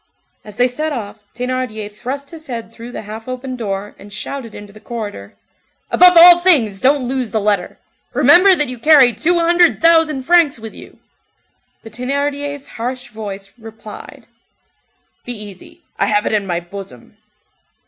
As they set off, Thénardier thrust his head through the half open door, and shouted into the corridor:— "Above all things, don't lose the letter! remember that you carry two hundred thousand francs with you!" The Thénardier's hoarse voice replied:— "Be easy. I have it in my bosom."